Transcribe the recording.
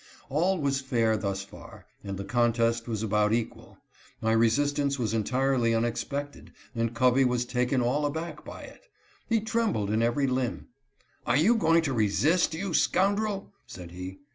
All was fair thus far, and the contest was about equal. My resistance was entirely unexpected and Covey was taken all aback by it. He trembled in every limb. " Are you going to resist, you scoundrel?" said he.